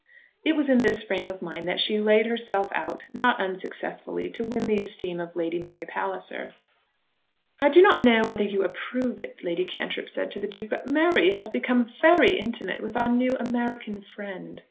It was in this frame of mind that she laid herself out not unsuccessfully to win the esteem of Lady Mary Palliser. "I do not know whether you approve it," Lady Cantrip said to the Duke; "but Mary has become very intimate with our new American friend."